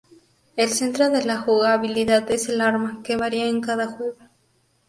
El centro de la jugabilidad es el arma, que varía en cada juego.